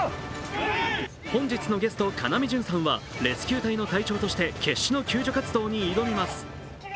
本日のゲスト、要潤さんはレスキュー隊の隊長として決死の救助に挑みます。